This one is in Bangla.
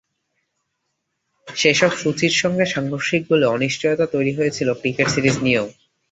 সেসব সূচির সঙ্গে সাংঘর্ষিক বলে অনিশ্চয়তা তৈরি হয়েছিল ক্রিকেট সিরিজ নিয়েও।